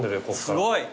すごい！